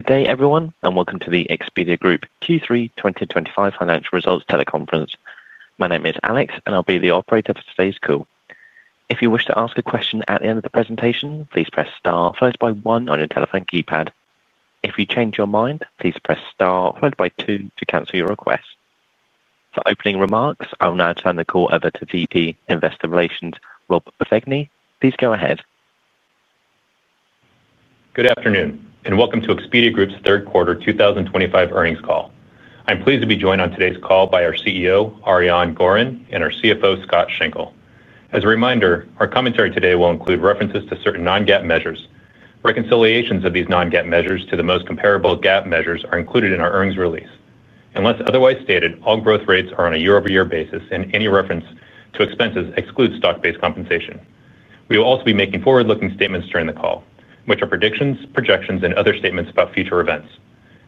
Good day, everyone, and welcome to the Expedia Group Q3 2025 financial results teleconference. My name is Alex, and I'll be the operator for today's call. If you wish to ask a question at the end of the presentation, please press star followed by one on your telephone keypad. If you change your mind, please press star followed by two to cancel your request. For opening remarks, I will now turn the call over to VP Investor Relations, Rob Bevegni. Please go ahead. Good afternoon, and welcome to Expedia Group's third quarter 2025 earnings call. I'm pleased to be joined on today's call by our CEO, Ariane Gorin, and our CFO, Scott Schenkel. As a reminder, our commentary today will include references to certain non-GAAP measures. Reconciliations of these non-GAAP measures to the most comparable GAAP measures are included in our earnings release. Unless otherwise stated, all growth rates are on a year-over-year basis, and any reference to expenses excludes stock-based compensation. We will also be making forward-looking statements during the call, which are predictions, projections, and other statements about future events.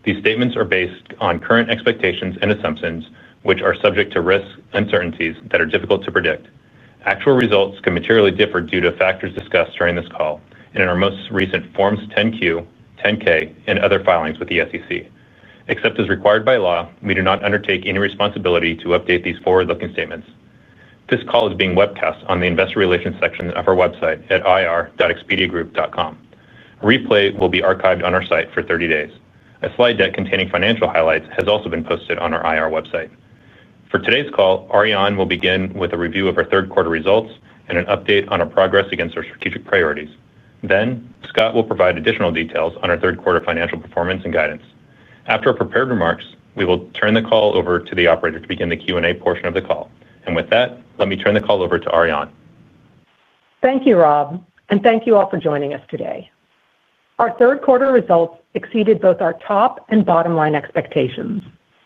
These statements are based on current expectations and assumptions, which are subject to risks and uncertainties that are difficult to predict. Actual results can materially differ due to factors discussed during this call and in our most recent forms 10-Q, 10-K, and other filings with the SEC. Except as required by law, we do not undertake any responsibility to update these forward-looking statements. This call is being webcast on the Investor Relations section of our website at ir.expediagroup.com. Replay will be archived on our site for 30 days. A slide deck containing financial highlights has also been posted on our IR website. For today's call, Ariane will begin with a review of our third quarter results and an update on our progress against our strategic priorities. Next, Scott will provide additional details on our third quarter financial performance and guidance. After our prepared remarks, we will turn the call over to the operator to begin the Q&A portion of the call. With that, let me turn the call over to Ariane. Thank you, Rob, and thank you all for joining us today. Our third quarter results exceeded both our top and bottom line expectations,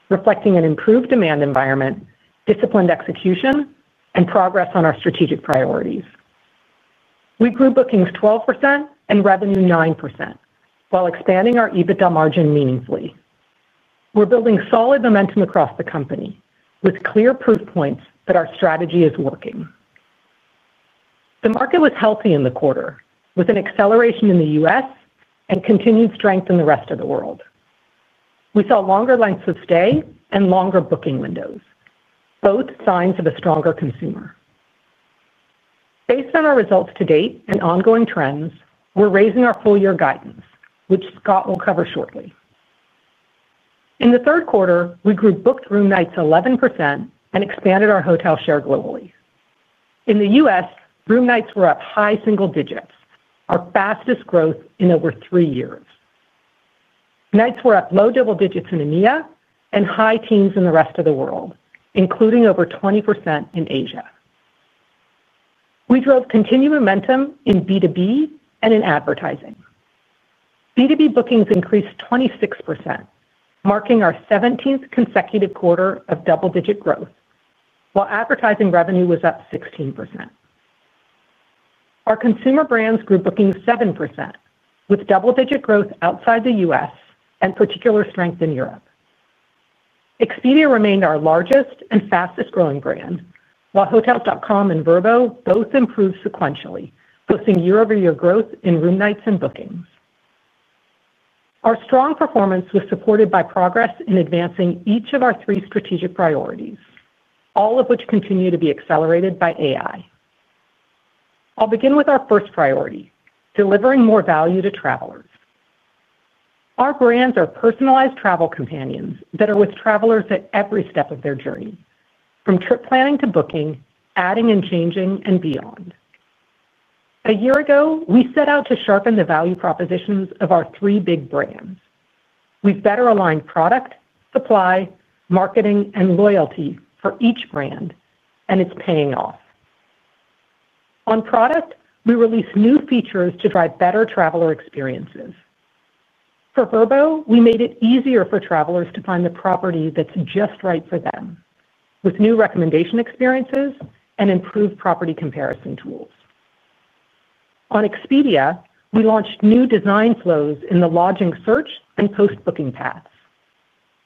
reflecting an improved demand environment, disciplined execution, and progress on our strategic priorities. We grew bookings 12% and revenue 9%, while expanding our EBITDA margin meaningfully. We're building solid momentum across the company, with clear proof points that our strategy is working. The market was healthy in the quarter, with an acceleration in the U.S. and continued strength in the rest of the world. We saw longer lengths of stay and longer booking windows, both signs of a stronger consumer. Based on our results to date and ongoing trends, we're raising our full-year guidance, which Scott will cover shortly. In the third quarter, we grew booked room nights 11% and expanded our hotel share globally. In the U.S., room nights were up high single digits, our fastest growth in over three years. Nights were up low double digits in EMEA and high teens in the rest of the world, including over 20% in Asia. We drove continued momentum in B2B and in advertising. B2B bookings increased 26%, marking our 17th consecutive quarter of double-digit growth, while advertising revenue was up 16%. Our consumer brands grew bookings 7%, with double-digit growth outside the U.S. and particular strength in Europe. Expedia remained our largest and fastest-growing brand, while hotels.com and Vrbo both improved sequentially, posting year-over-year growth in room nights and bookings. Our strong performance was supported by progress in advancing each of our three strategic priorities, all of which continue to be accelerated by AI. I'll begin with our first priority: delivering more value to travelers. Our brands are personalized travel companions that are with travelers at every step of their journey, from trip planning to booking, adding and changing, and beyond. A year ago, we set out to sharpen the value propositions of our three big brands. We've better aligned product, supply, marketing, and loyalty for each brand, and it's paying off. On product, we released new features to drive better traveler experiences. For Vrbo, we made it easier for travelers to find the property that's just right for them, with new recommendation experiences and improved property comparison tools. On Expedia, we launched new design flows in the lodging search and post-booking paths.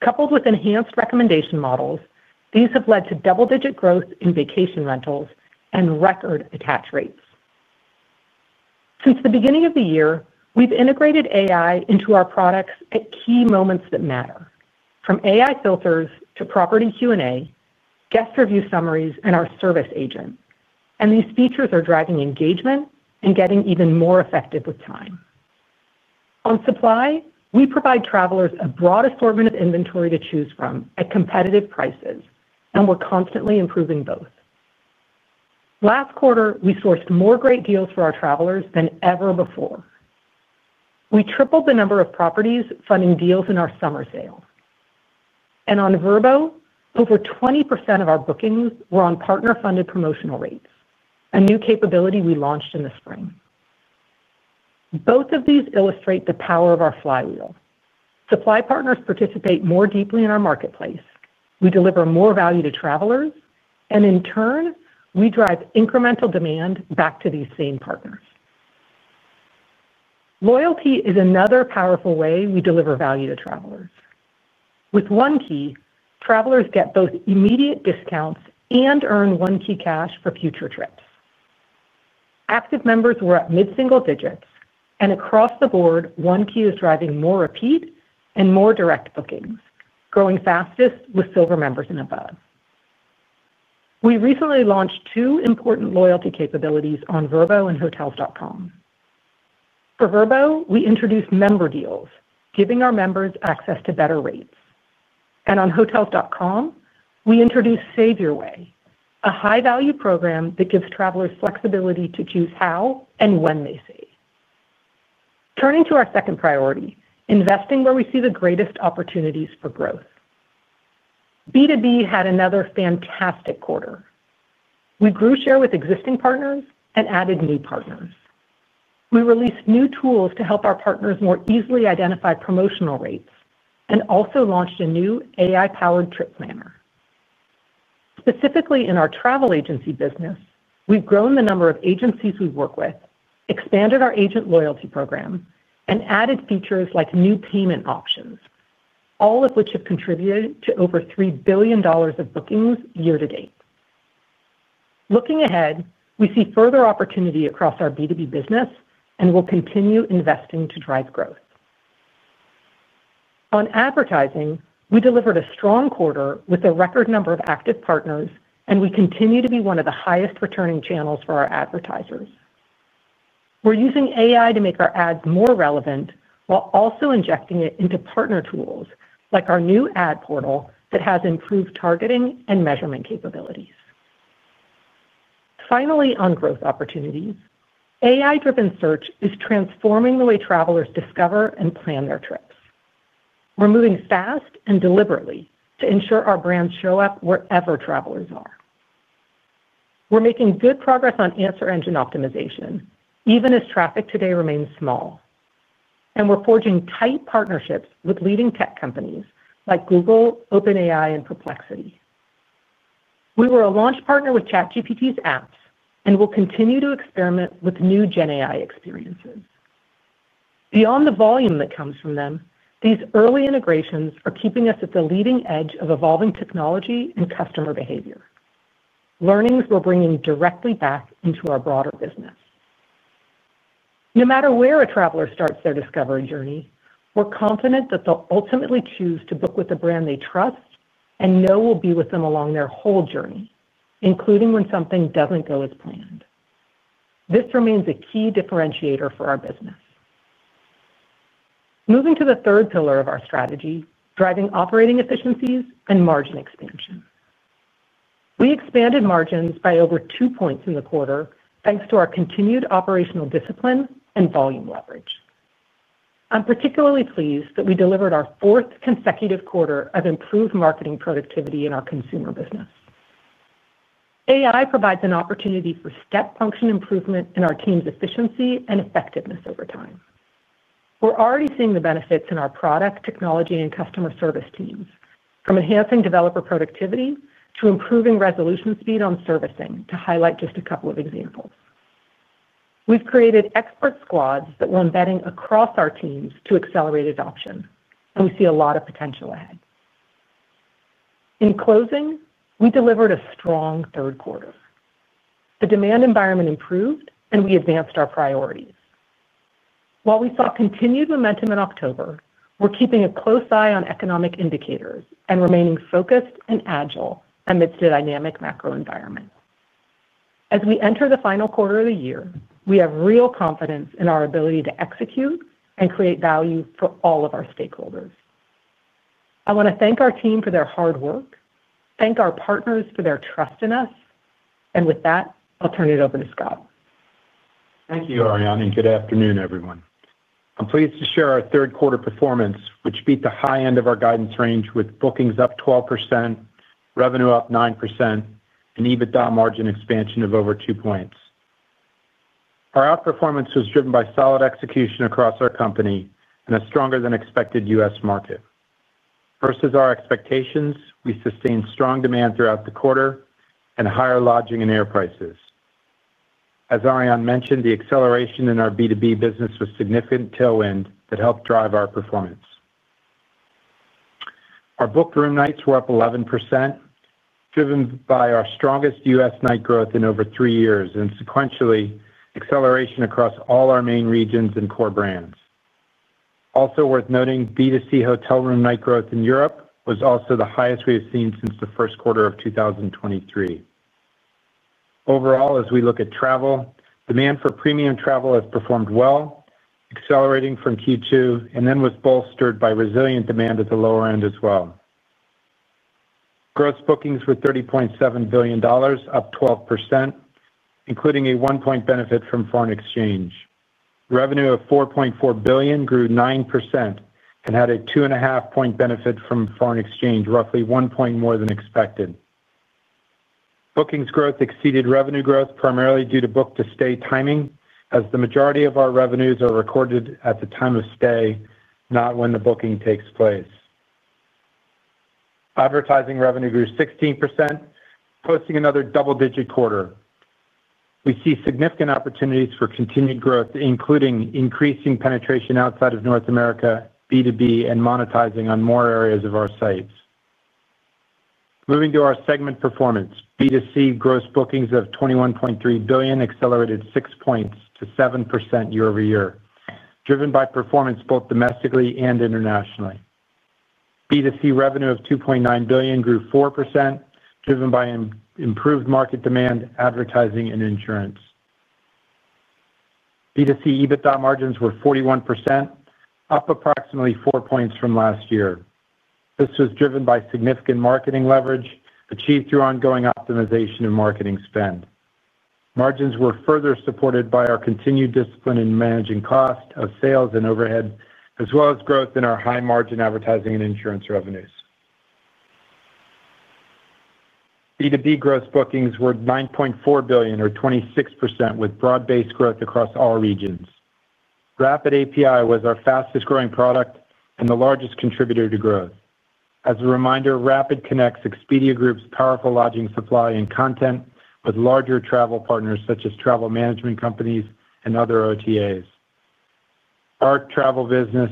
Coupled with enhanced recommendation models, these have led to double-digit growth in vacation rentals and record attach rates. Since the beginning of the year, we've integrated AI into our products at key moments that matter, from AI filters to property Q&A, guest review summaries, and our service agent. These features are driving engagement and getting even more effective with time. On supply, we provide travelers a broad assortment of inventory to choose from at competitive prices, and we're constantly improving both. Last quarter, we sourced more great deals for our travelers than ever before. We tripled the number of properties funding deals in our summer sale. On Vrbo, over 20% of our bookings were on partner-funded promotional rates, a new capability we launched in the spring. Both of these illustrate the power of our flywheel. Supply partners participate more deeply in our marketplace. We deliver more value to travelers, and in turn, we drive incremental demand back to these same partners. Loyalty is another powerful way we deliver value to travelers. With OneKey, travelers get both immediate discounts and earn OneKey cash for future trips. Active members were at mid-single digits, and across the board, OneKey is driving more repeat and more direct bookings, growing fastest with silver members and above. We recently launched two important loyalty capabilities on Vrbo and hotels.com. For Vrbo, we introduced member deals, giving our members access to better rates. On hotels.com, we introduced Save Your Way, a high-value program that gives travelers flexibility to choose how and when they stay. Turning to our second priority, investing where we see the greatest opportunities for growth. B2B had another fantastic quarter. We grew share with existing partners and added new partners. We released new tools to help our partners more easily identify promotional rates and also launched a new AI-powered trip planner. Specifically in our travel agency business, we've grown the number of agencies we work with, expanded our agent loyalty program, and added features like new payment options, all of which have contributed to over $3 billion of bookings year-to-date. Looking ahead, we see further opportunity across our B2B business and will continue investing to drive growth. On advertising, we delivered a strong quarter with a record number of active partners, and we continue to be one of the highest returning channels for our advertisers. We're using AI to make our ads more relevant while also injecting it into partner tools like our new ad portal that has improved targeting and measurement capabilities. Finally, on growth opportunities, AI-driven search is transforming the way travelers discover and plan their trips. We're moving fast and deliberately to ensure our brands show up wherever travelers are. We're making good progress on answer engine optimization, even as traffic today remains small. We're forging tight partnerships with leading tech companies like Google, OpenAI, and Perplexity. We were a launch partner with ChatGPT's apps and will continue to experiment with new GenAI experiences. Beyond the volume that comes from them, these early integrations are keeping us at the leading edge of evolving technology and customer behavior. Learnings we're bringing directly back into our broader business. No matter where a traveler starts their discovery journey, we're confident that they'll ultimately choose to book with a brand they trust and know will be with them along their whole journey, including when something doesn't go as planned. This remains a key differentiator for our business. Moving to the third pillar of our strategy, driving operating efficiencies and margin expansion. We expanded margins by over 2 points in the quarter thanks to our continued operational discipline and volume leverage. I'm particularly pleased that we delivered our fourth consecutive quarter of improved marketing productivity in our consumer business. AI provides an opportunity for step function improvement in our team's efficiency and effectiveness over time. We're already seeing the benefits in our product, technology, and customer service teams, from enhancing developer productivity to improving resolution speed on servicing, to highlight just a couple of examples. We've created expert squads that we're embedding across our teams to accelerate adoption, and we see a lot of potential ahead. In closing, we delivered a strong third quarter. The demand environment improved, and we advanced our priorities. While we saw continued momentum in October, we're keeping a close eye on economic indicators and remaining focused and agile amidst a dynamic macro environment. As we enter the final quarter of the year, we have real confidence in our ability to execute and create value for all of our stakeholders. I want to thank our team for their hard work, thank our partners for their trust in us, and with that, I'll turn it over to Scott. Thank you, Ariane, and good afternoon, everyone. I'm pleased to share our third quarter performance, which beat the high end of our guidance range, with bookings up 12%, revenue up 9%, and EBITDA margin expansion of over two points. Our outperformance was driven by solid execution across our company and a stronger-than-expected U.S. market. Versus our expectations, we sustained strong demand throughout the quarter and higher lodging and air prices. As Ariane mentioned, the acceleration in our B2B business was a significant tailwind that helped drive our performance. Our booked room nights were up 11%, driven by our strongest U.S. night growth in over three years and sequentially acceleration across all our main regions and core brands. Also worth noting, B2C hotel room night growth in Europe was also the highest we have seen since the first quarter of 2023. Overall, as we look at travel, demand for premium travel has performed well, accelerating from Q2 and then was bolstered by resilient demand at the lower end as well. Gross bookings were $30.7 billion, up 12%, including a 1 point benefit from foreign exchange. Revenue of $4.4 billion grew 9% and had a two-and-a-half-point benefit from foreign exchange, roughly 1 point more than expected. Bookings growth exceeded revenue growth primarily due to book-to-stay timing, as the majority of our revenues are recorded at the time of stay, not when the booking takes place. Advertising revenue grew 16%, posting another double-digit quarter. We see significant opportunities for continued growth, including increasing penetration outside of North America, B2B, and monetizing on more areas of our sites. Moving to our segment performance, B2C gross bookings of $21.3 billion accelerated 6 points to 7% year-over-year, driven by performance both domestically and internationally. B2C revenue of $2.9 billion grew 4%, driven by improved market demand, advertising, and insurance. B2C EBITDA margins were 41%, up approximately 4 points from last year. This was driven by significant marketing leverage achieved through ongoing optimization and marketing spend. Margins were further supported by our continued discipline in managing cost of sales and overhead, as well as growth in our high-margin advertising and insurance revenues. B2B gross bookings were $9.4 billion, or 26%, with broad-based growth across all regions. Rapid API was our fastest-growing product and the largest contributor to growth. As a reminder, Rapid connects Expedia Group's powerful lodging supply and content with larger travel partners such as travel management companies and other OTAs. Our travel business,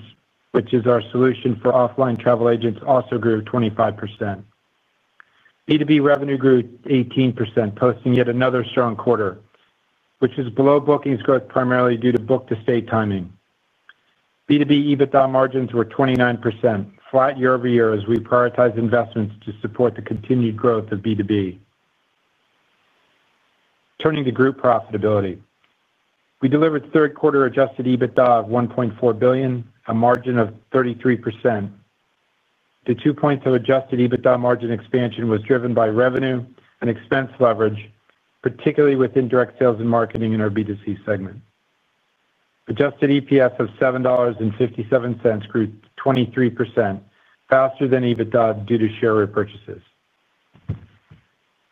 which is our solution for offline travel agents, also grew 25%. B2B revenue grew 18%, posting yet another strong quarter, which was below bookings growth primarily due to book-to-stay timing. B2B EBITDA margins were 29%, flat year-over-year as we prioritized investments to support the continued growth of B2B. Turning to group profitability, we delivered third-quarter adjusted EBITDA of $1.4 billion, a margin of 33%. The 2 points of adjusted EBITDA margin expansion was driven by revenue and expense leverage, particularly with indirect sales and marketing in our B2C segment. Adjusted EPS of $7.57 grew 23%, faster than EBITDA due to share repurchases.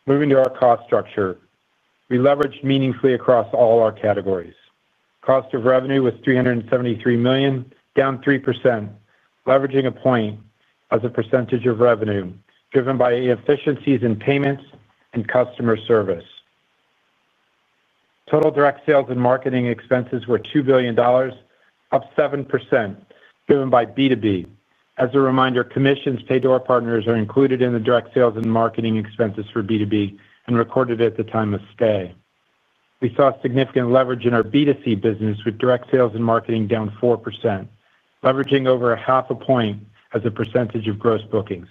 Moving to our cost structure, we leveraged meaningfully across all our categories. Cost of revenue was $373 million, down 3%, leveraging 1 point as a percentage of revenue, driven by efficiencies in payments and customer service. Total direct sales and marketing expenses were $2 billion, up 7%, driven by B2B. As a reminder, commissions paid to our partners are included in the direct sales and marketing expenses for B2B and recorded at the time of stay. We saw significant leverage in our B2C business, with direct sales and marketing down 4%, leveraging over 0.5 point as a percentage of gross bookings.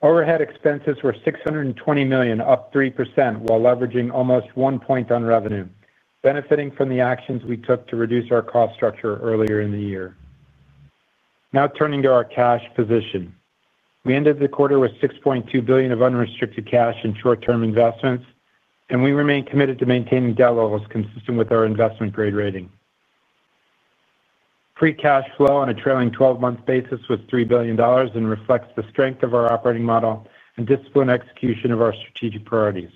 Overhead expenses were $620 million, up 3%, while leveraging almost 1 point on revenue, benefiting from the actions we took to reduce our cost structure earlier in the year. Now turning to our cash position. We ended the quarter with $6.2 billion of unrestricted cash and short-term investments, and we remain committed to maintaining debt levels consistent with our investment-grade rating. Free cash flow on a trailing 12-month basis was $3 billion and reflects the strength of our operating model and disciplined execution of our strategic priorities.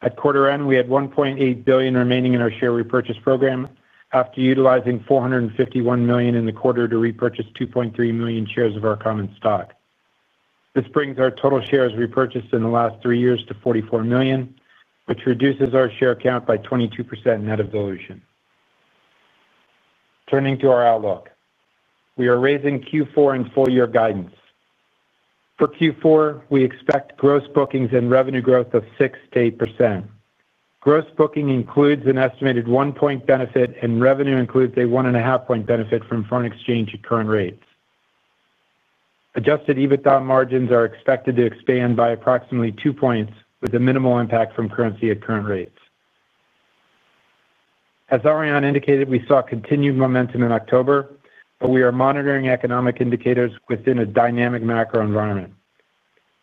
At quarter end, we had $1.8 billion remaining in our share repurchase program after utilizing $451 million in the quarter to repurchase 2.3 million shares of our common stock. This brings our total shares repurchased in the last three years to $44 million, which reduces our share count by 22% net of dilution. Turning to our outlook, we are raising Q4 and full-year guidance. For Q4, we expect gross bookings and revenue growth of 6%-8%. Gross bookings includes an estimated 1 point benefit, and revenue includes a 1.5 point benefit from foreign exchange at current rates. Adjusted EBITDA margins are expected to expand by approximately 2 points, with a minimal impact from currency at current rates. As Ariane indicated, we saw continued momentum in October, but we are monitoring economic indicators within a dynamic macro environment.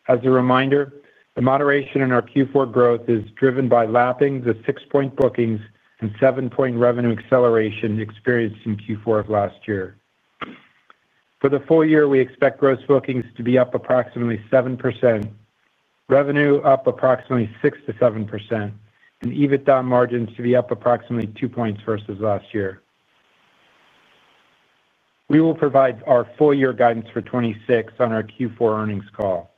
As a reminder, the moderation in our Q4 growth is driven by lapping the 6-point bookings and 7-point revenue acceleration experienced in Q4 of last year. For the full year, we expect gross bookings to be up approximately 7%. Revenue up approximately 6%-7%, and EBITDA margins to be up approximately 2 points versus last year. We will provide our full-year guidance for 2026 on our Q4 earnings call.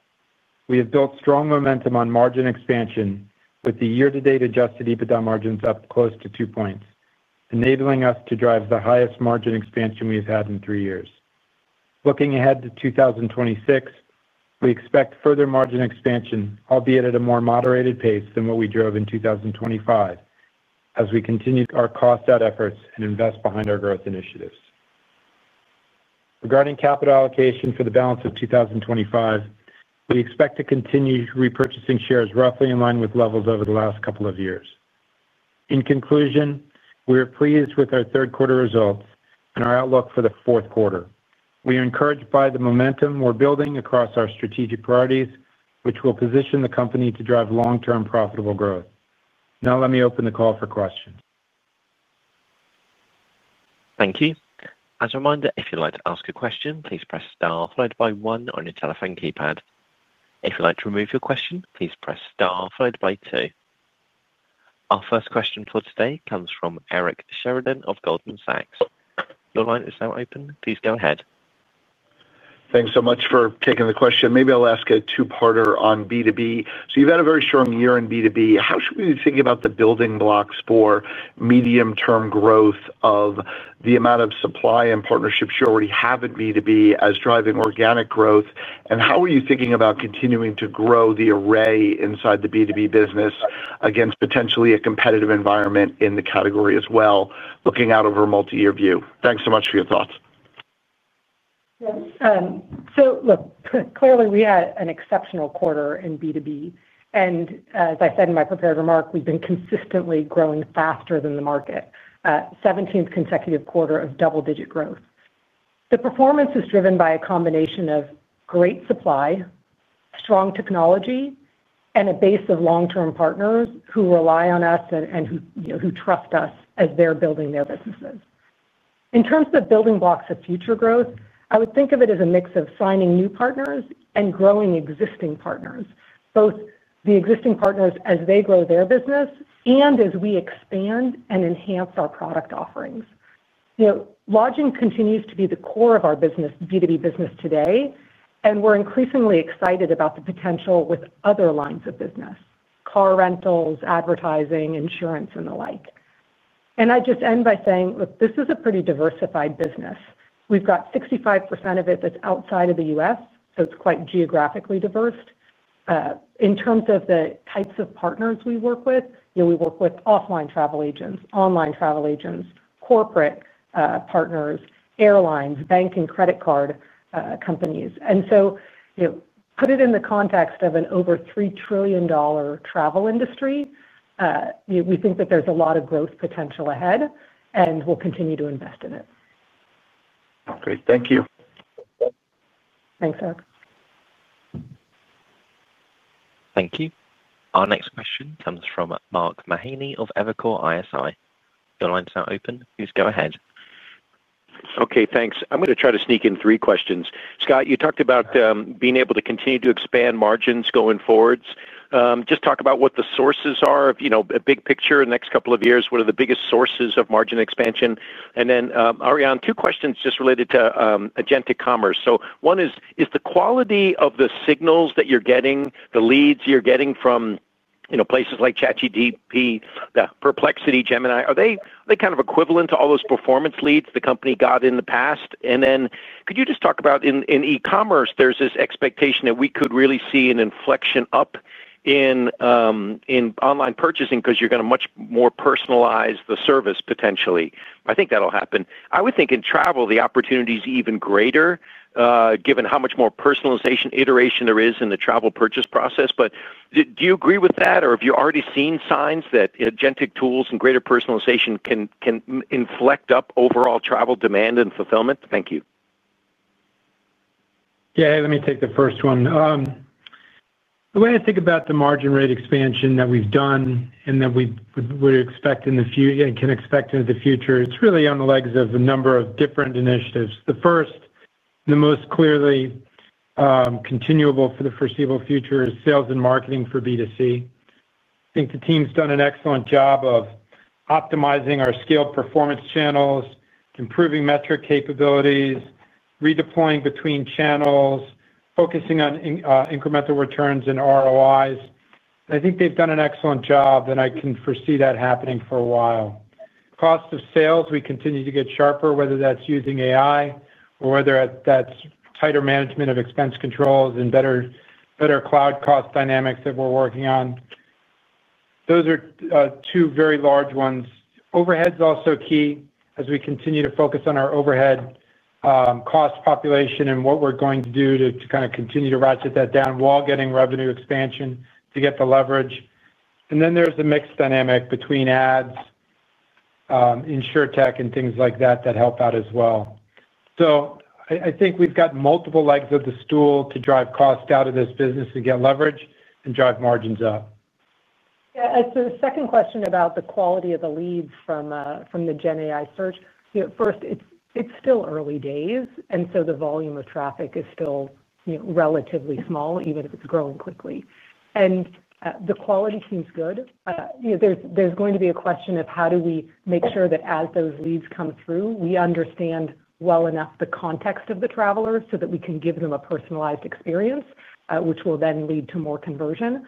We have built strong momentum on margin expansion, with the year-to-date adjusted EBITDA margins up close to 2 points, enabling us to drive the highest margin expansion we've had in three years. Looking ahead to 2026, we expect further margin expansion, albeit at a more moderated pace than what we drove in 2025, as we continue our cost-out efforts and invest behind our growth initiatives. Regarding capital allocation for the balance of 2025, we expect to continue repurchasing shares roughly in line with levels over the last couple of years. In conclusion, we are pleased with our third-quarter results and our outlook for the fourth quarter. We are encouraged by the momentum we're building across our strategic priorities, which will position the company to drive long-term profitable growth. Now, let me open the call for questions. Thank you. As a reminder, if you'd like to ask a question, please press star followed by one on your telephone keypad. If you'd like to remove your question, please press star followed by two. Our first question for today comes from Eric Sheridan of Goldman Sachs. Your line is now open. Please go ahead. Thanks so much for taking the question. Maybe I'll ask a two-parter on B2B. You've had a very strong year in B2B. How should we be thinking about the building blocks for medium-term growth of the amount of supply and partnerships you already have at B2B as driving organic growth? How are you thinking about continuing to grow the array inside the B2B business against potentially a competitive environment in the category as well, looking out over a multi-year view? Thanks so much for your thoughts. Look, clearly we had an exceptional quarter in B2B. As I said in my prepared remark, we've been consistently growing faster than the market. 17th consecutive quarter of double-digit growth. The performance is driven by a combination of great supply, strong technology, and a base of long-term partners who rely on us and who trust us as they're building their businesses. In terms of building blocks of future growth, I would think of it as a mix of signing new partners and growing existing partners, both the existing partners as they grow their business and as we expand and enhance our product offerings. Lodging continues to be the core of our B2B business today, and we're increasingly excited about the potential with other lines of business: car rentals, advertising, insurance, and the like. I just end by saying, look, this is a pretty diversified business. We've got 65% of it that's outside of the U.S., so it's quite geographically diverse. In terms of the types of partners we work with, we work with offline travel agents, online travel agents, corporate partners, airlines, bank, and credit card companies. Put it in the context of an over $3 trillion travel industry. We think that there's a lot of growth potential ahead, and we'll continue to invest in it. Great. Thank you. Thanks, Eric. Thank you. Our next question comes from Mark Mahaney of Evercore ISI. Your line's now open. Please go ahead. Okay. Thanks. I'm going to try to sneak in three questions. Scott, you talked about being able to continue to expand margins going forward. Just talk about what the sources are of a big picture in the next couple of years. What are the biggest sources of margin expansion? Ariane, two questions just related to agentic commerce. One is, is the quality of the signals that you're getting, the leads you're getting from places like ChatGPT, Perplexity, Gemini, are they kind of equivalent to all those performance leads the company got in the past? Could you just talk about, in e-commerce, there's this expectation that we could really see an inflection up in online purchasing because you're going to much more personalize the service potentially. I think that'll happen. I would think in travel, the opportunity is even greater, given how much more personalization iteration there is in the travel purchase process. Do you agree with that, or have you already seen signs that agentic tools and greater personalization can inflect up overall travel demand and fulfillment? Thank you. Yeah. Let me take the first one. The way I think about the margin rate expansion that we've done and that we would expect in the future and can expect in the future, it's really on the legs of a number of different initiatives. The first, the most clearly, continuable for the foreseeable future, is sales and marketing for B2C. I think the team's done an excellent job of optimizing our scaled performance channels, improving metric capabilities, redeploying between channels, focusing on incremental returns and ROIs. I think they've done an excellent job, and I can foresee that happening for a while. Cost of sales, we continue to get sharper, whether that's using AI or whether that's tighter management of expense controls and better cloud cost dynamics that we're working on. Those are two very large ones. Overhead's also key as we continue to focus on our overhead. Cost population and what we're going to do to kind of continue to ratchet that down while getting revenue expansion to get the leverage. There is a mixed dynamic between ads, InsurTech, and things like that that help out as well. I think we've got multiple legs of the stool to drive cost out of this business to get leverage and drive margins up. Yeah. The second question about the quality of the leads from the GenAI search. First, it's still early days, and the volume of traffic is still relatively small, even if it's growing quickly. The quality seems good. There's going to be a question of how do we make sure that as those leads come through, we understand well enough the context of the travelers so that we can give them a personalized experience, which will then lead to more conversion.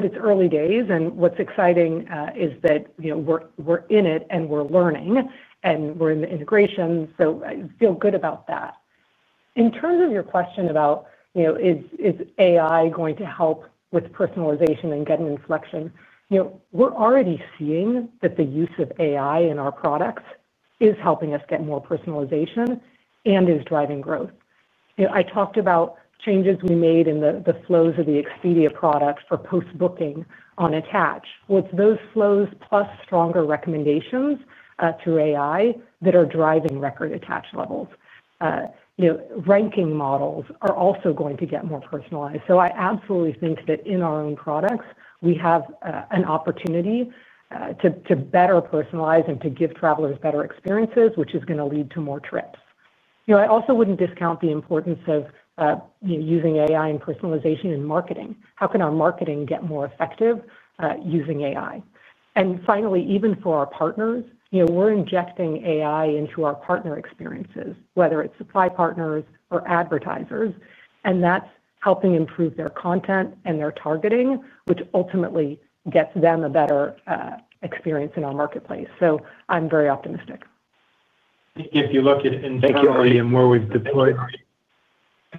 It's early days, and what's exciting is that we're in it and we're learning, and we're in the integration, so I feel good about that. In terms of your question about is AI going to help with personalization and get an inflection, we're already seeing that the use of AI in our products is helping us get more personalization and is driving growth. I talked about changes we made in the flows of the Expedia product for post-booking on attach. It is those flows plus stronger recommendations through AI that are driving record attach levels. Ranking models are also going to get more personalized. I absolutely think that in our own products, we have an opportunity to better personalize and to give travelers better experiences, which is going to lead to more trips. I also would not discount the importance of using AI and personalization in marketing. How can our marketing get more effective using AI? Finally, even for our partners, we are injecting AI into our partner experiences, whether it is supply partners or advertisers. That is helping improve their content and their targeting, which ultimately gets them a better experience in our marketplace. I am very optimistic. If you look at internally and where we've deployed.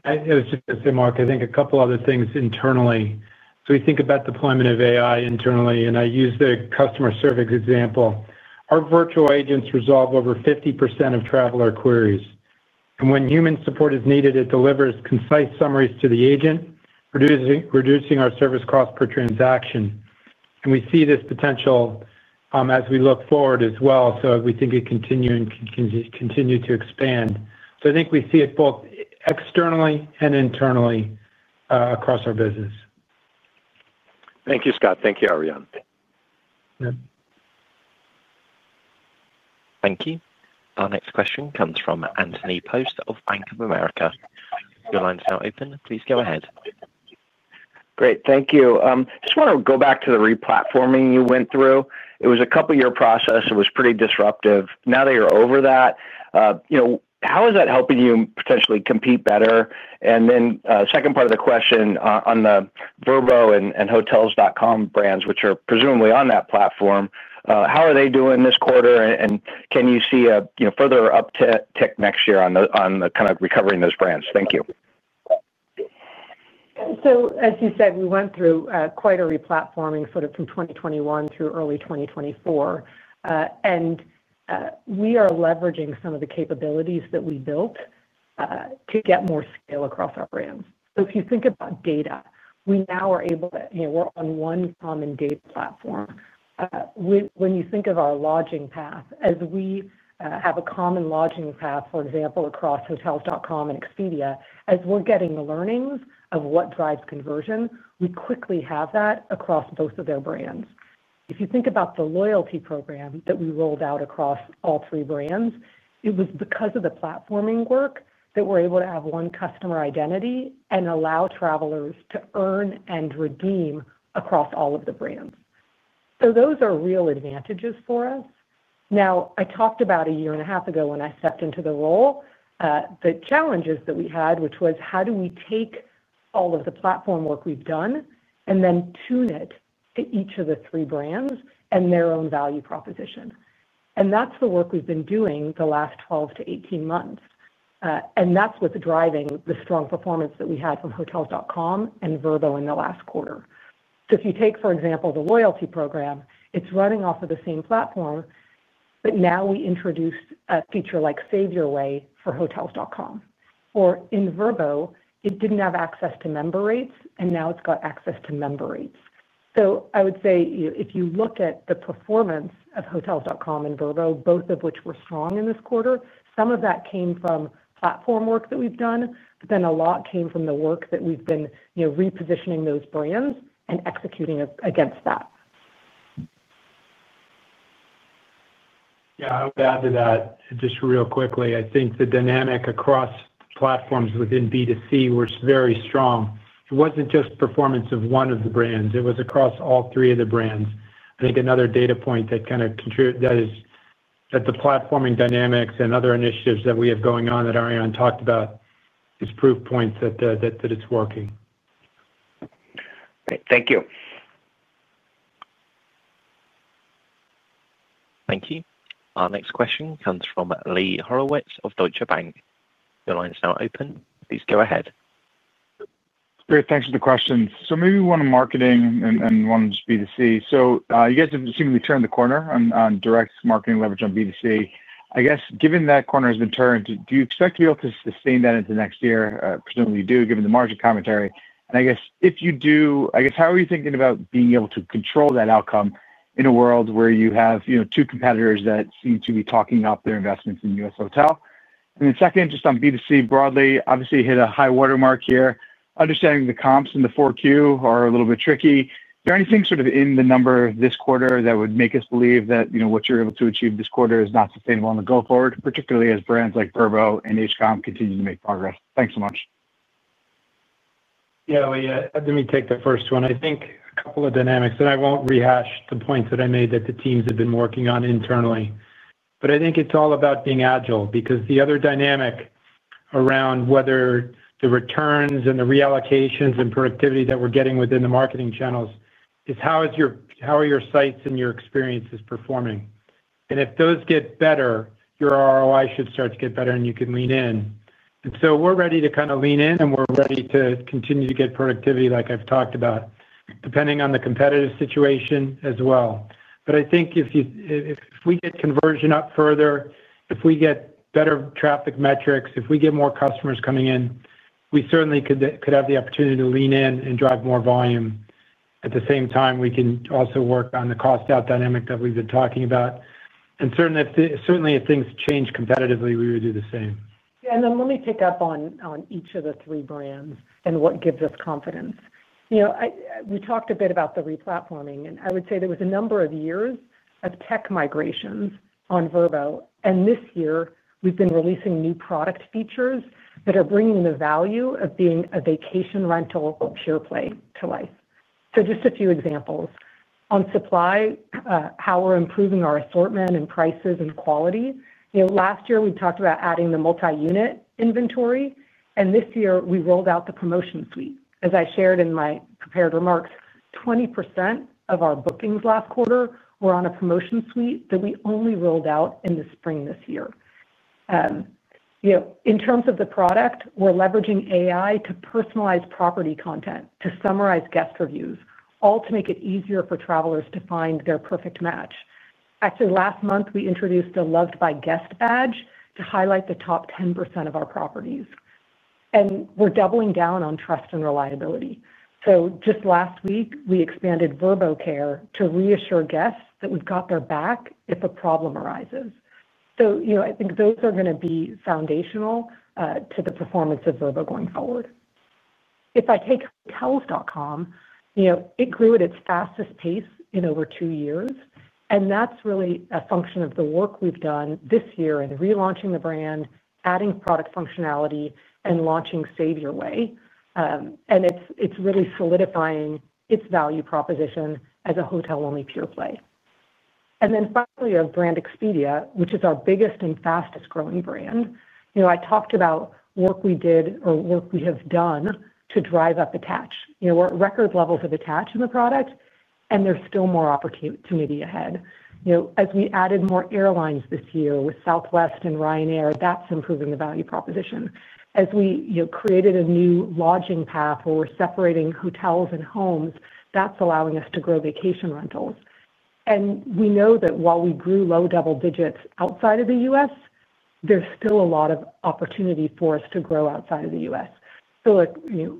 I was just going to say, Mark, I think a couple of other things internally. We think about deployment of AI internally, and I use the customer service example. Our virtual agents resolve over 50% of traveler queries. When human support is needed, it delivers concise summaries to the agent, reducing our service cost per transaction. We see this potential as we look forward as well. We think it can continue to expand. I think we see it both externally and internally across our business. Thank you, Scott. Thank you, Ariane. Thank you. Our next question comes from Anthony Post of Bank of America. Your line's now open. Please go ahead. Great. Thank you. I just want to go back to the replatforming you went through. It was a couple-year process. It was pretty disruptive. Now that you're over that, how is that helping you potentially compete better? The second part of the question on the Vrbo and hotels.com brands, which are presumably on that platform, how are they doing this quarter? Can you see a further uptick next year on kind of recovering those brands? Thank you. As you said, we went through quite a replatforming sort of from 2021 through early 2024. We are leveraging some of the capabilities that we built to get more scale across our brands. If you think about data, we now are able to—we are on one common data platform. When you think of our lodging path, as we have a common lodging path, for example, across Hotels.com and Expedia, as we are getting the learnings of what drives conversion, we quickly have that across both of their brands. If you think about the loyalty program that we rolled out across all three brands, it was because of the platforming work that we are able to have one customer identity and allow travelers to earn and redeem across all of the brands. Those are real advantages for us. Now, I talked about a year and a half ago when I stepped into the role, the challenges that we had, which was how do we take all of the platform work we have done and then tune it to each of the three brands and their own value proposition? That is the work we have been doing the last 12 to 18 months. That is what is driving the strong performance that we had from Hotels.com and Vrbo in the last quarter. If you take, for example, the loyalty program, it is running off of the same platform. Now we introduced a feature like Save Your Way for Hotels.com. In Vrbo, it did not have access to member rates, and now it has got access to member rates. I would say if you look at the performance of Hotels.com and Vrbo, both of which were strong in this quarter, some of that came from platform work that we've done, but then a lot came from the work that we've been repositioning those brands and executing against that. Yeah. I would add to that just real quickly. I think the dynamic across platforms within B2C was very strong. It was not just performance of one of the brands. It was across all three of the brands. I think another data point that kind of contributes to that is that the platforming dynamics and other initiatives that we have going on that Ariane talked about is proof points that it is working. Great. Thank you. Thank you. Our next question comes from Lee Horowitz of Deutsche Bank. Your line's now open. Please go ahead. Great. Thanks for the question. Moving on to marketing and one on B2C. You guys have seemingly turned the corner on direct marketing leverage on B2C. I guess given that corner has been turned, do you expect to be able to sustain that into next year? Presumably, you do, given the margin commentary. I guess if you do, how are you thinking about being able to control that outcome in a world where you have two competitors that seem to be talking up their investments in U.S. Hotel? Second, just on B2C broadly, obviously hit a high watermark here. Understanding the comps and the 4Q are a little bit tricky. Is there anything sort of in the number this quarter that would make us believe that what you're able to achieve this quarter is not sustainable on the go forward, particularly as brands like Vrbo and Hotels.com continue to make progress? Thanks so much. Yeah. Let me take the first one. I think a couple of dynamics, and I won't rehash the points that I made that the teams have been working on internally. I think it's all about being agile because the other dynamic around whether the returns and the reallocations and productivity that we're getting within the marketing channels is how are your sites and your experiences performing? If those get better, your ROI should start to get better, and you can lean in. We're ready to kind of lean in, and we're ready to continue to get productivity like I've talked about, depending on the competitive situation as well. I think if we get conversion up further, if we get better traffic metrics, if we get more customers coming in, we certainly could have the opportunity to lean in and drive more volume. At the same time, we can also work on the cost-out dynamic that we've been talking about. Certainly, if things change competitively, we would do the same. Yeah. Let me pick up on each of the three brands and what gives us confidence. We talked a bit about the replatforming, and I would say there was a number of years of tech migrations on Vrbo. This year, we've been releasing new product features that are bringing the value of being a vacation rental pure play to life. Just a few examples. On supply, how we're improving our assortment and prices and quality. Last year, we talked about adding the multi-unit inventory. This year, we rolled out the promotion suite. As I shared in my prepared remarks, 20% of our bookings last quarter were on a promotion suite that we only rolled out in the spring this year. In terms of the product, we're leveraging AI to personalize property content, to summarize guest reviews, all to make it easier for travelers to find their perfect match. Actually, last month, we introduced a Loved by Guests badge to highlight the top 10% of our properties. We're doubling down on trust and reliability. Just last week, we expanded Vrbo Care to reassure guests that we've got their back if a problem arises. I think those are going to be foundational to the performance of Vrbo going forward. If I take Hotels.com, it grew at its fastest pace in over two years. That's really a function of the work we've done this year in relaunching the brand, adding product functionality, and launching Save Your Way. It's really solidifying its value proposition as a hotel-only pure play. Finally, our brand Expedia, which is our biggest and fastest-growing brand. I talked about work we did or work we have done to drive up attach. We're at record levels of attach in the product, and there's still more opportunity ahead. As we added more airlines this year with Southwest and Ryanair, that's improving the value proposition. As we created a new lodging path where we're separating hotels and homes, that's allowing us to grow vacation rentals. We know that while we grew low double digits outside of the U.S., there's still a lot of opportunity for us to grow outside of the U.S.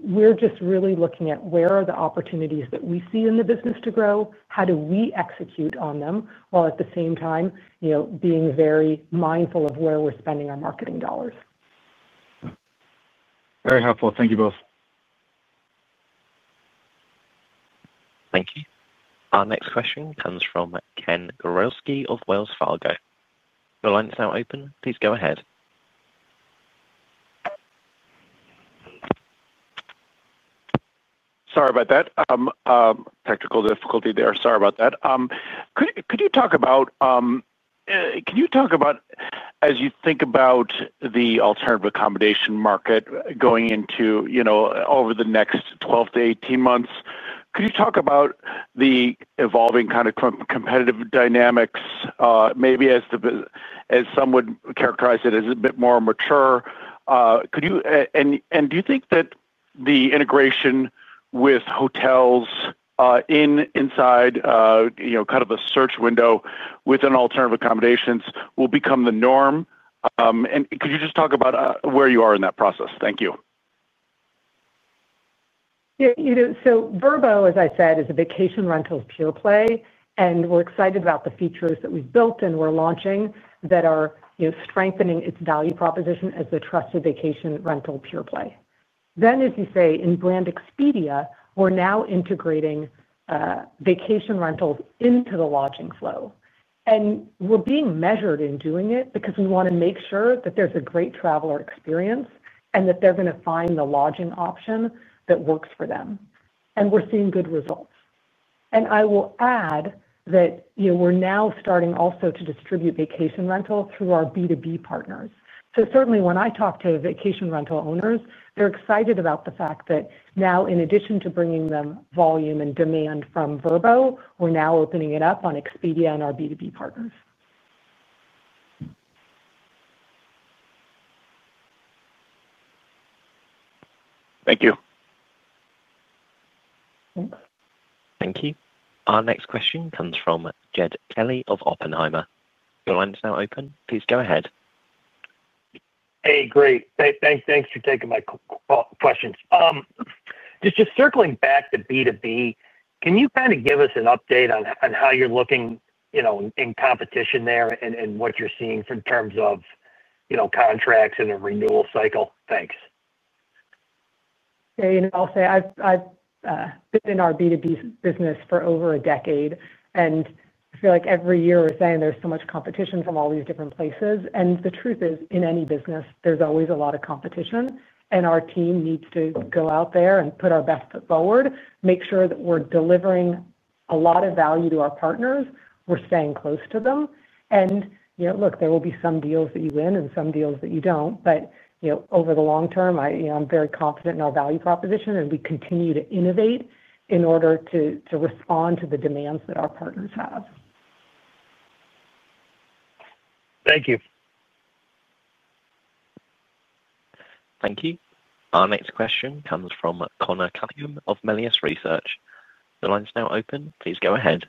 We're just really looking at where are the opportunities that we see in the business to grow, how do we execute on them, while at the same time being very mindful of where we're spending our marketing dollars. Very helpful. Thank you both. Thank you. Our next question comes from Ken Gawrelski of Wells Fargo. Your line's now open. Please go ahead. Sorry about that. Technical difficulty there. Sorry about that. Could you talk about, can you talk about, as you think about the alternative accommodation market going into, over the next 12 to 18 months, could you talk about the evolving kind of competitive dynamics, maybe as some would characterize it as a bit more mature? Do you think that the integration with hotels inside kind of the search window within alternative accommodations will become the norm? Could you just talk about where you are in that process? Thank you. Vrbo, as I said, is a vacation rentals pure play. We are excited about the features that we have built and are launching that are strengthening its value proposition as a trusted vacation rental pure play. As you say, in brand Expedia, we are now integrating vacation rentals into the lodging flow. We are being measured in doing it because we want to make sure that there is a great traveler experience and that they are going to find the lodging option that works for them. We are seeing good results. I will add that we are now starting also to distribute vacation rentals through our B2B partners. Certainly, when I talk to vacation rental owners, they are excited about the fact that now, in addition to bringing them volume and demand from Vrbo, we are now opening it up on Expedia and our B2B partners. Thank you. Thanks. Thank you. Our next question comes from Jed Kelly of Oppenheimer. Your line's now open. Please go ahead. Hey, great. Thanks for taking my questions. Just circling back to B2B, can you kind of give us an update on how you're looking in competition there and what you're seeing in terms of contracts and a renewal cycle? Thanks. I'll say I've been in our B2B business for over a decade. I feel like every year, we're saying there's so much competition from all these different places. The truth is, in any business, there's always a lot of competition. Our team needs to go out there and put our best foot forward, make sure that we're delivering a lot of value to our partners, we're staying close to them. Look, there will be some deals that you win and some deals that you don't. Over the long term, I'm very confident in our value proposition, and we continue to innovate in order to respond to the demands that our partners have. Thank you. Thank you. Our next question comes from Conor Cunningham of Melius Research. Your line's now open. Please go ahead.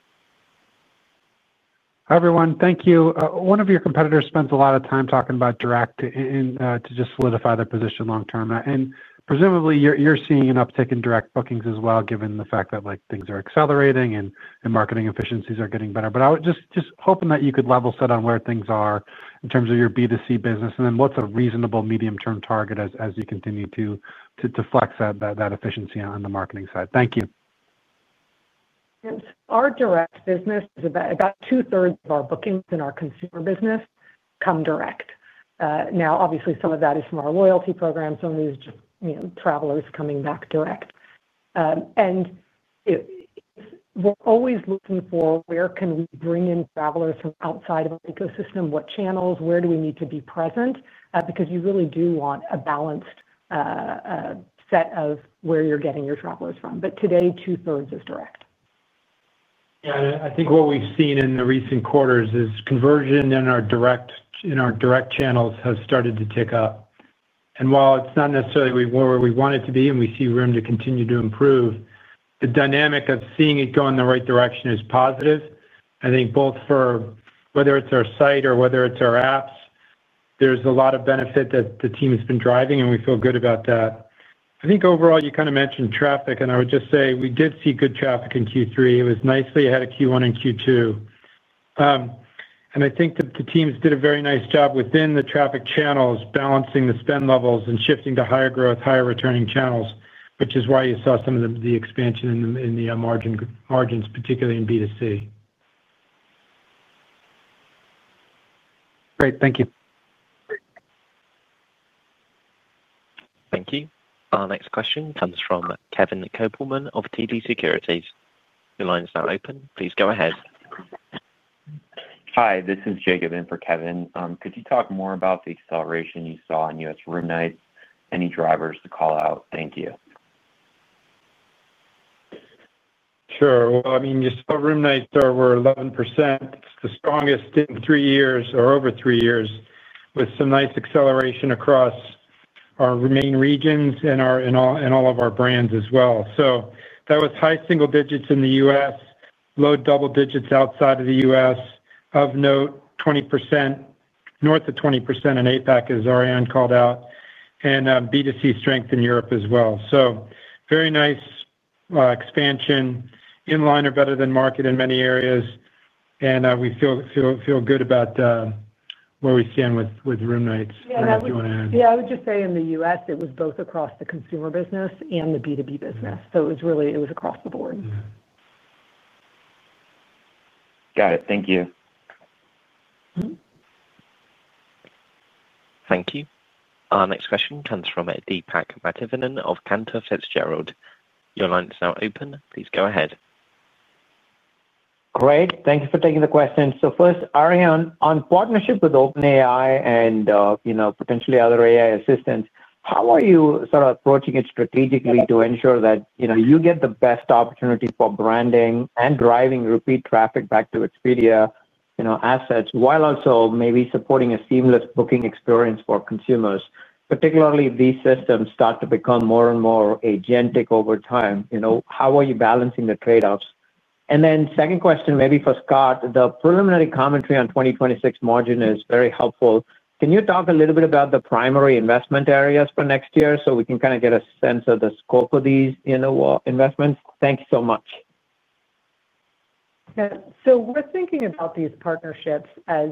Hi, everyone. Thank you. One of your competitors spends a lot of time talking about direct to just solidify their position long term. And presumably, you're seeing an uptick in direct bookings as well, given the fact that things are accelerating and marketing efficiencies are getting better. I was just hoping that you could level set on where things are in terms of your B2C business and then what's a reasonable medium-term target as you continue to flex that efficiency on the marketing side. Thank you. Our direct business is about 2/3 of our bookings in our consumer business come direct. Now, obviously, some of that is from our loyalty program, some of these just travelers coming back direct. We're always looking for where can we bring in travelers from outside of our ecosystem, what channels, where do we need to be present, because you really do want a balanced set of where you're getting your travelers from. But today, 2/3 is direct. Yeah. I think what we've seen in the recent quarters is conversion in our direct channels has started to tick up. While it's not necessarily where we want it to be and we see room to continue to improve, the dynamic of seeing it go in the right direction is positive. I think both for whether it's our site or whether it's our apps, there's a lot of benefit that the team has been driving, and we feel good about that. I think overall, you kind of mentioned traffic, and I would just say we did see good traffic in Q3. It was nicely ahead of Q1 and Q2. I think that the teams did a very nice job within the traffic channels, balancing the spend levels and shifting to higher growth, higher returning channels, which is why you saw some of the expansion in the margins, particularly in B2C. Great. Thank you. Thank you. Our next question comes from Kevin Koppelman of TD Securities. Your line's now open. Please go ahead. Hi. This is Jacob in for Kevin. Could you talk more about the acceleration you saw in U.S. room nights? Any drivers to call out? Thank you. Sure. I mean, you saw room nights over 11%. It is the strongest in three years or over three years with some nice acceleration across our main regions and all of our brands as well. That was high single digits in the U.S., low double digits outside of the U.S. Of note, 20%. North of 20% in APAC as Ariane called out, and B2C strength in Europe as well. Very nice expansion. In-line or better than market in many areas. We feel good about where we stand with room nights. Yeah. I would just say in the U.S., it was both across the consumer business and the B2B business. It was across the board. Got it. Thank you. Thank you. Our next question comes from Deepak Mathivanan of Cantor Fitzgerald. Your line's now open. Please go ahead. Great. Thank you for taking the question. First, Ariane, on partnership with OpenAI and potentially other AI assistants, how are you sort of approaching it strategically to ensure that you get the best opportunity for branding and driving repeat traffic back to Expedia assets while also maybe supporting a seamless booking experience for consumers, particularly if these systems start to become more and more agentic over time? How are you balancing the trade-offs? Second question, maybe for Scott, the preliminary commentary on 2026 margin is very helpful. Can you talk a little bit about the primary investment areas for next year so we can kind of get a sense of the scope of these investments? Thank you so much. We're thinking about these partnerships as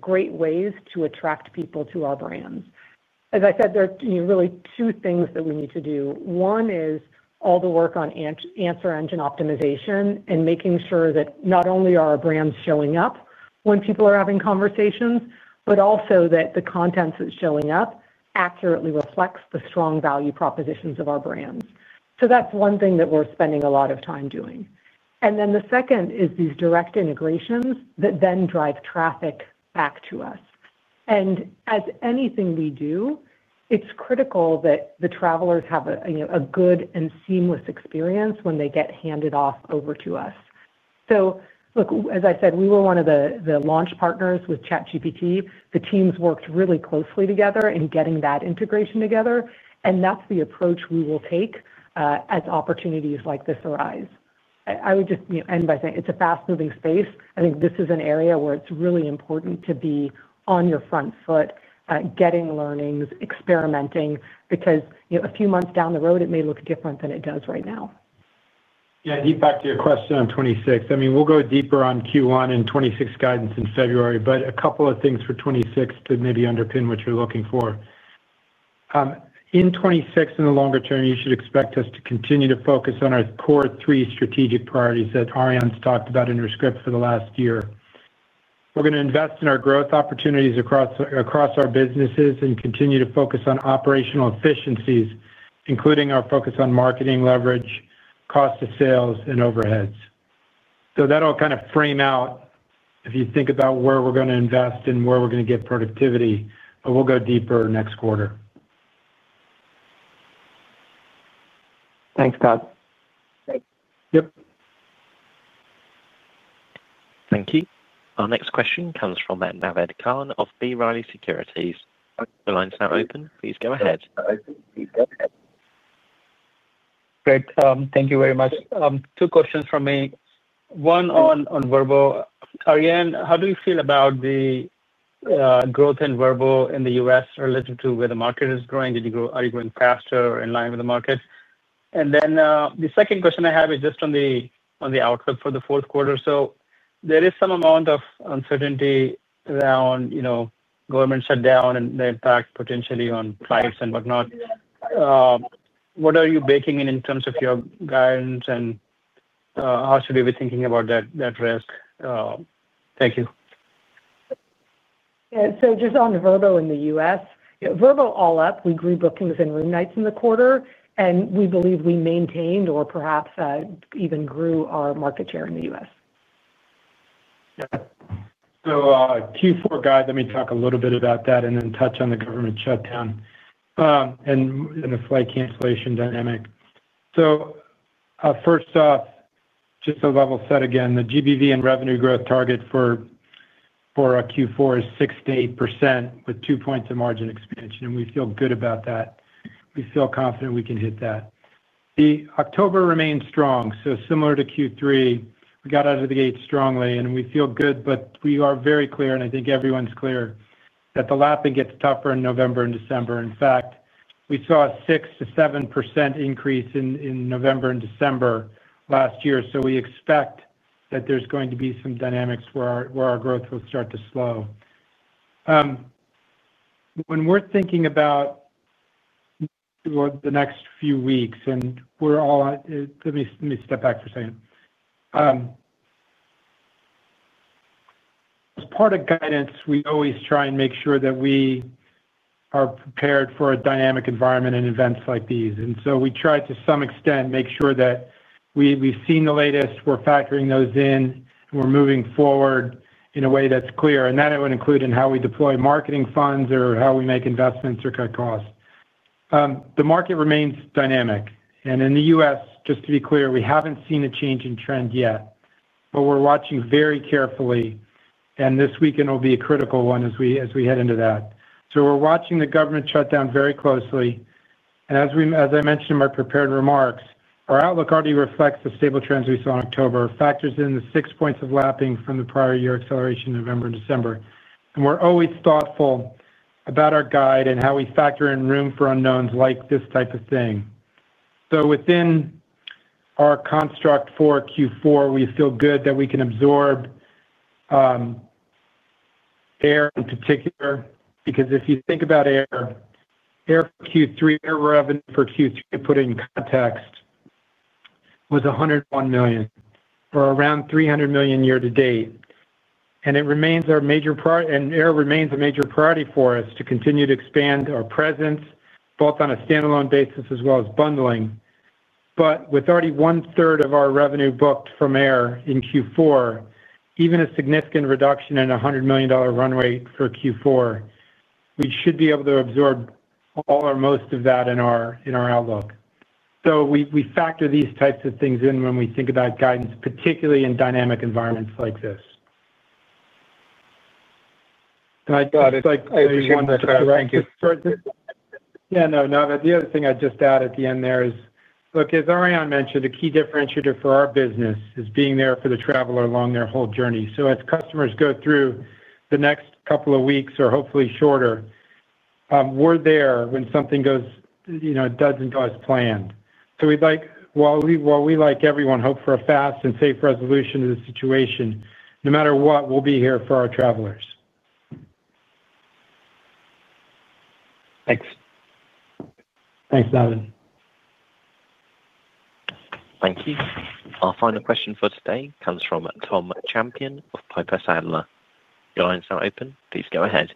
great ways to attract people to our brands. As I said, there are really two things that we need to do. One is all the work on answer engine optimization and making sure that not only are our brands showing up when people are having conversations, but also that the content that's showing up accurately reflects the strong value propositions of our brands. That's one thing that we're spending a lot of time doing. The second is these direct integrations that then drive traffic back to us. As with anything we do, it's critical that the travelers have a good and seamless experience when they get handed off over to us. Look, as I said, we were one of the launch partners with ChatGPT. The teams worked really closely together in getting that integration together. That's the approach we will take as opportunities like this arise. I would just end by saying it's a fast-moving space. I think this is an area where it's really important to be on your front foot, getting learnings, experimenting, because a few months down the road, it may look different than it does right now. Yeah. Deepak, to your question on 2026, I mean, we'll go deeper on Q1 and 2026 guidance in February, but a couple of things for 2026 to maybe underpin what you're looking for. In 2026 and the longer term, you should expect us to continue to focus on our core three strategic priorities that Ariane's talked about in her script for the last year. We're going to invest in our growth opportunities across our businesses and continue to focus on operational efficiencies, including our focus on marketing leverage, cost of sales, and overheads. That'll kind of frame out if you think about where we're going to invest and where we're going to get productivity. We'll go deeper next quarter. Thanks, Scott. Yep. Thank you. Our next question comes from Naved Khan of B. Riley Securities. Your line's now open. Please go ahead. Great. Thank you very much. Two questions for me. One on Vrbo. Ariane, how do you feel about the growth in Vrbo in the U.S. relative to where the market is growing? Are you growing faster or in line with the market? The second question I have is just on the outlook for the fourth quarter. There is some amount of uncertainty around government shutdown and the impact potentially on flights and whatnot. What are you baking in in terms of your guidance, and how should we be thinking about that risk? Thank you. Yeah. So just on Vrbo in the U.S., Vrbo all up. We grew bookings and room nights in the quarter, and we believe we maintained or perhaps even grew our market share in the U.S. Yeah. Q4 guide, let me talk a little bit about that and then touch on the government shutdown and the flight cancellation dynamic. First off, just to level set again, the GBV and revenue growth target for Q4 is 6%-8% with 2 points of margin expansion. We feel good about that. We feel confident we can hit that. October remains strong. Similar to Q3, we got out of the gate strongly, and we feel good. We are very clear, and I think everyone's clear, that the lapping gets tougher in November and December. In fact, we saw a 6%-7% increase in November and December last year. We expect that there's going to be some dynamics where our growth will start to slow when we're thinking about. The next few weeks, and we're all—let me step back for a second. As part of guidance, we always try and make sure that we are prepared for a dynamic environment and events like these. We try to some extent to make sure that we've seen the latest, we're factoring those in, and we're moving forward in a way that's clear. That would include in how we deploy marketing funds or how we make investments or cut costs. The market remains dynamic. In the U.S., just to be clear, we haven't seen a change in trend yet, but we're watching very carefully. This weekend will be a critical one as we head into that. We're watching the government shutdown very closely. As I mentioned in my prepared remarks, our outlook already reflects the stable trends we saw in October. Our factors in the 6 points of lapping from the prior year acceleration in November and December. We are always thoughtful about our guide and how we factor in room for unknowns like this type of thing. Within our construct for Q4, we feel good that we can absorb. Air in particular, because if you think about air. For Q3, air revenue for Q3, to put it in context, was $101 million or around $300 million year-to-date. It remains our major priority, and air remains a major priority for us, to continue to expand our presence both on a standalone basis as well as bundling. With already 1/3 of our revenue booked from air in Q4, even a significant reduction in a $100 million runway for Q4, we should be able to absorb all or most of that in our outlook. We factor these types of things in when we think about guidance, particularly in dynamic environments like this. Got it. Thank you. Yeah. No. The other thing I'd just add at the end there is, look, as Ariane mentioned, a key differentiator for our business is being there for the traveler along their whole journey. As customers go through the next couple of weeks or hopefully shorter, we're there when something goes, does and goes planned. While we, like everyone, hope for a fast and safe resolution to the situation, no matter what, we'll be here for our travelers. Thanks. Thanks, Naved. Thank you. Our final question for today comes from Tom Champion of Piper Sandler. Your line's now open. Please go ahead.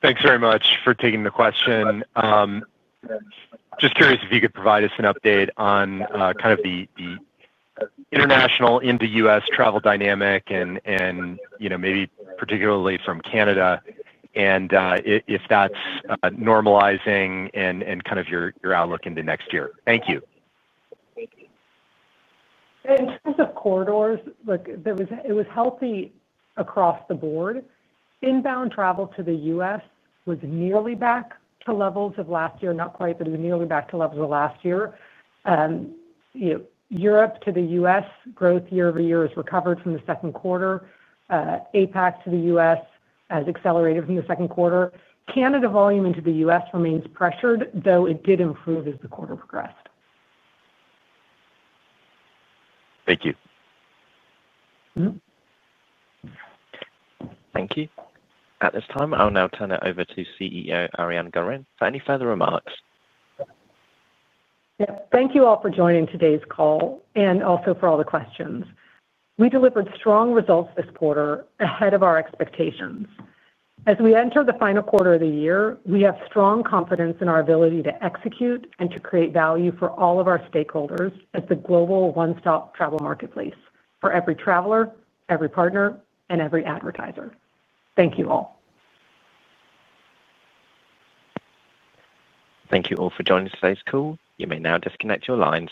Thanks very much for taking the question. Just curious if you could provide us an update on kind of the international into U.S. travel dynamic and maybe particularly from Canada, and if that's normalizing and kind of your outlook into next year. Thank you. In terms of corridors, it was healthy across the board. Inbound travel to the U.S. was nearly back to levels of last year, not quite, but it was nearly back to levels of last year. Europe to the U.S. growth year-over-year has recovered from the second quarter. APAC to the U.S. has accelerated from the second quarter. Canada volume into the U.S. remains pressured, though it did improve as the quarter progressed. Thank you. Thank you. At this time, I'll now turn it over to CEO Ariane Gorin. Any further remarks? Yep. Thank you all for joining today's call and also for all the questions. We delivered strong results this quarter ahead of our expectations. As we enter the final quarter of the year, we have strong confidence in our ability to execute and to create value for all of our stakeholders at the global one-stop travel marketplace for every traveler, every partner, and every advertiser. Thank you all. Thank you all for joining today's call. You may now disconnect your lines.